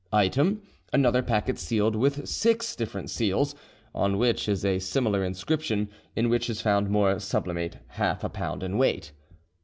"Item, another packet sealed with six different seals, on which is a similar inscription, in which is found more sublimate, half a pound in weight.